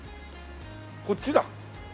こっちだ。